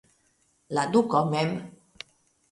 La duko mem!